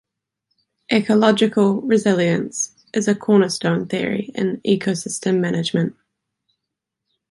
Ecological resilience is a cornerstone theory in ecosystem management.